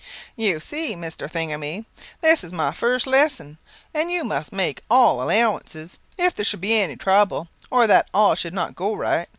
"You see, Mr. Thing a my, this is my first lesson, and you must make all allowances, if there should be any trouble, or that all should not go right.